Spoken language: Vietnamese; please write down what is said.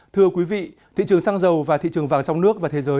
thưa quý vị thị trường xăng dầu và thị trường vàng trong nước và thế giới